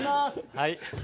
はい。